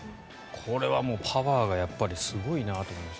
これはパワーがすごいなと思います。